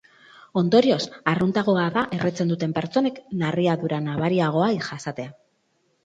Ondorioz, arruntagoa da erretzen duten pertsonek narriadura nabariagoa jasatea.